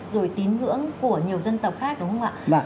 rồi tín ngưỡng của nhiều dân tộc khác đúng không ạ